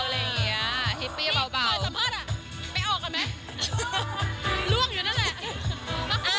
เห้ยคอนเซ็ปต์อยากให้ทิ้งอย่างเบา